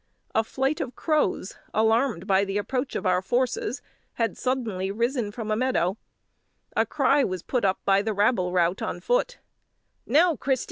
A flight of crows, alarmed by the approach of our forces, had suddenly risen from a meadow; a cry was put up by the rabble rout on foot "Now, Christy!